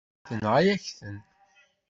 Tenɣa-yak-ten.